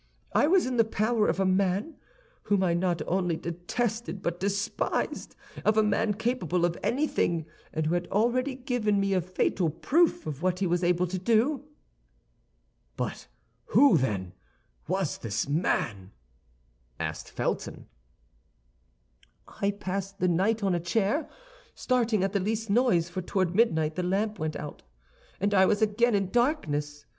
I was in the power of a man whom I not only detested, but despised—of a man capable of anything, and who had already given me a fatal proof of what he was able to do." "But who, then, was this man?" asked Felton. "I passed the night on a chair, starting at the least noise, for toward midnight the lamp went out, and I was again in darkness.